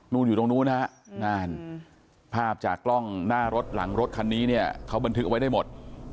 โน้นอยู่ตรงนู้นภาพจากกล้องหน้ารถหลังรถคันนี้เค้าบันทึกเอาไว้ได้หมด